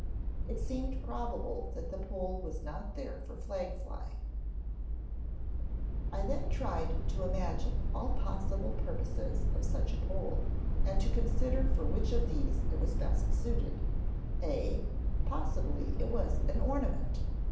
It seemed probable that the pole was not there for flag flying. "I then tried to imagine all possible purposes of such a pole, and to consider for which of these it was best suited: (a) Possibly it was an ornament.